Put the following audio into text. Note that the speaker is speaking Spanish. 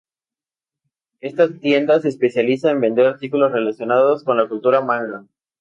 Esta tienda se especializa en vender artículos relacionados con la cultura manga.